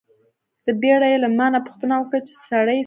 په بیړه یې له ما نه پوښتنه وکړه چې سړي څه و ویل.